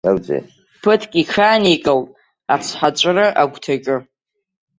Ԥыҭк иҽааникылт ацҳаҵәры агәҭаҿы.